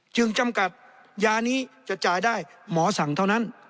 จำกัดยานี้จะจ่ายได้หมอสั่งเท่านั้น